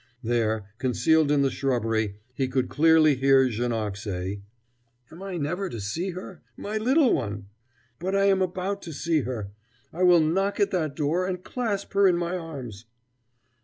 There, concealed in the shrubbery, he could clearly hear Janoc say: "Am I never to see her? My little one! But I am about to see her! I will knock at that door, and clasp her in my arms."